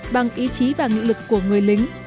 bằng ý chí và nghị lực của người lính